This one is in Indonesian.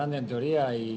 yang lain hari